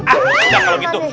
ah udah kalau gitu